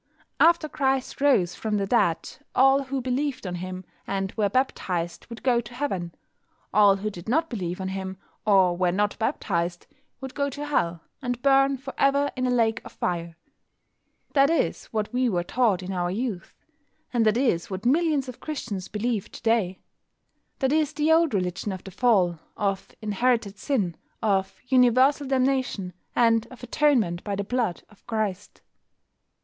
After Christ rose from the dead all who believed on Him and were baptised would go to Heaven. All who did not believe on Him, or were not baptised, would go to Hell, and burn for ever in a lake of fire. That is what we were taught in our youth; and that is what millions of Christians believe to day. That is the old religion of the Fall, of "Inherited Sin," of "Universal Damnation," and of atonement by the blood of Christ.